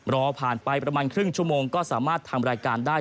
รอผ่านไปประมาณครึ่งชั่วโมงก็สามารถทำรายการได้